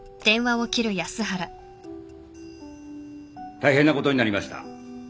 大変なことになりました。